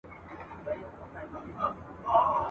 پرون مي د خزان د موسم ..